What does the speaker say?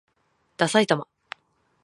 ださいたま